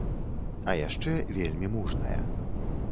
А яшчэ вельмі мужная.